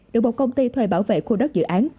được một công ty thuê bảo vệ khu đất dự án